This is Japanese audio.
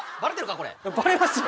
これ」「バレますよ」